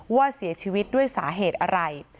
ว่าเสียชีวิตด้วยสาเหตุอะไร